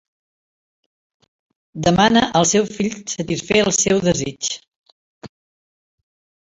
Demana al seu fill satisfer el seu desig.